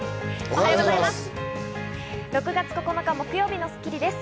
おはようございます。